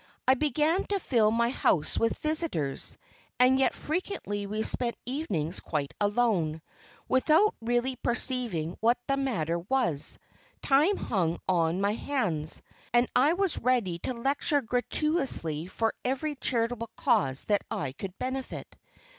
I began to fill my house with visitors, and yet frequently we spent evenings quite alone. Without really perceiving what the matter was, time hung on my hands, and I was ready to lecture gratuitously for every charitable cause that I could benefit.